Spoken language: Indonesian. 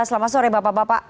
selamat sore bapak bapak